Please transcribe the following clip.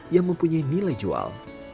yang mempunyai nilai jual